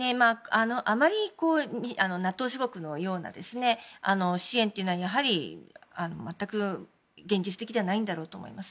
あまりＮＡＴＯ諸国のような支援というのはやはり全く現実的ではないんだろうと思います。